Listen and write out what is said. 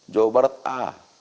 jawa barat a